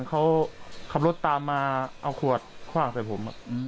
เขาขับรถตามมาเอาขวดคว่างใส่ผม